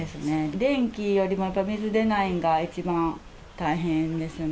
電気よりもやっぱ、水出ないんが、一番大変ですね。